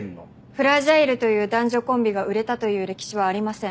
フラジャイルという男女コンビが売れたという歴史はありません。